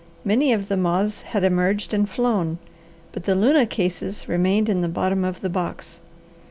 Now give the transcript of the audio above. Many of the moths had emerged and flown, but the luna cases remained in the bottom of the box.